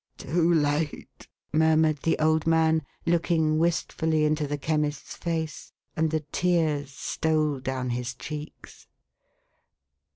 " Too late !" murmured the old man, looking wistfully into the Chemist's face ; and the tears stole down his cheeks.